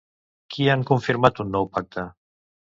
Qui han confirmat un nou pacte?